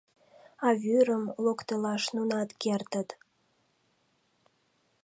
А вӱрым локтылаш нунат кертыт.